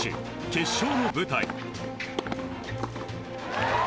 決勝の舞台。